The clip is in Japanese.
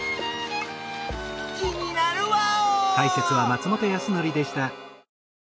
気になるワオー！